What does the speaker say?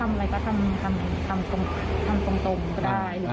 ก็คิดฉันจริงทำอะไรตามต้มก็ได้